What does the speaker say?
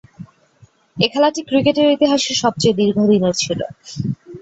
এ খেলাটি ক্রিকেটের ইতিহাসের সবচেয়ে দীর্ঘদিনের ছিল।